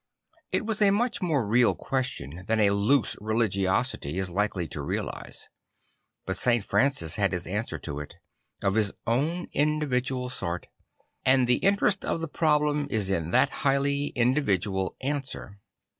It was a much more real question than a loose reli giosity is likely to realise; but St. Francis had his answer to it, of his own individual sort; and the interest of the problem is in that highly individual answer.